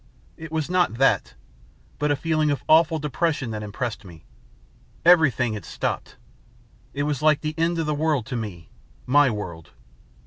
It was not that, but a feeling of awful depression that impressed me. Everything had stopped. It was like the end of the world to me my world.